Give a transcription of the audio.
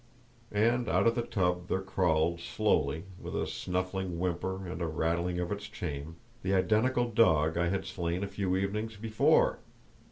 And out of the tub there crawled slowly, with a snuffling whimper and a rattling of its chain, the identical dog I had slain a few evenings before!